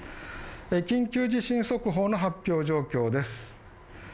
緊急地震速報の発表状況です。